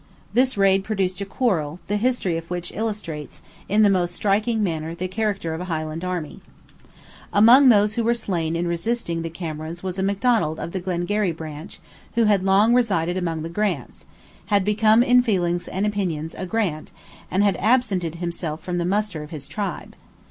This raid produced a quarrel, the history of which illustrates in the most striking manner the character of a Highland army. Among those who were slain in resisting the Camerons was a Macdonald of the Glengarry branch, who had long resided among the Grants, had become in feelings and opinions a Grant, and had absented himself from the muster of his tribe.